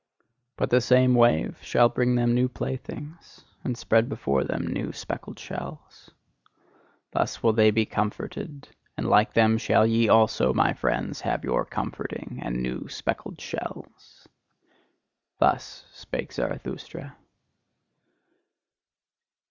But the same wave shall bring them new playthings, and spread before them new speckled shells! Thus will they be comforted; and like them shall ye also, my friends, have your comforting and new speckled shells! Thus spake Zarathustra.